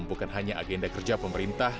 bukan hanya agenda kerja pemerintah